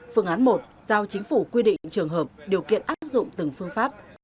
phương án một giao chính phủ quy định trường hợp điều kiện áp dụng từng phương pháp